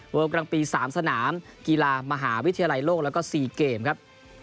กลางปี๓สนามกีฬามหาวิทยาลัยโลกแล้วก็๔เกมครับ